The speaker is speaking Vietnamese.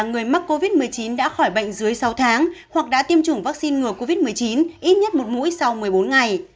người mắc covid một mươi chín đã khỏi bệnh dưới sáu tháng hoặc đã tiêm chủng vaccine ngừa covid một mươi chín ít nhất một mũi sau một mươi bốn ngày